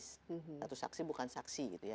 satu saksi bukan saksi